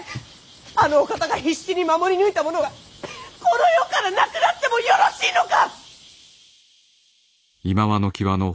あのお方が必死に守り抜いたものがこの世からなくなってもよろしいのか！